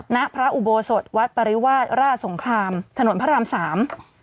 ณพระอุโบสถวัดปริวาสราชสงครามถนนพระรามสาม